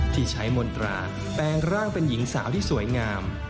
ที่ใช้มนตราแปลงร่างเป็นหญิงสาวที่สวยงาม